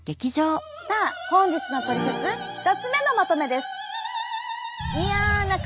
さあ本日のトリセツ１つ目のまとめです。